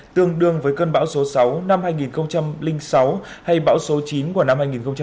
tương đương với cơn bão số sáu năm hai nghìn sáu hay bão số chín của năm hai nghìn một mươi